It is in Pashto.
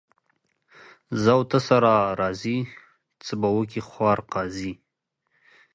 زه او ته سره راضي ، څه به وکي خوار قاضي.